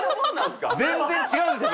全然違うんですよ